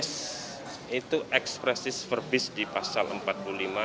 yes itu ekspresis verbis di pasal empat